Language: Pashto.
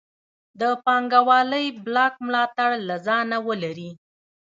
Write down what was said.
د پانګوالۍ بلاک ملاتړ له ځانه ولري.